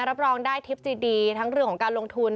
รับรองได้ทริปดีทั้งเรื่องของการลงทุน